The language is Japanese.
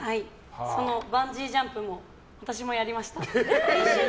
バンジージャンプも私もやりました。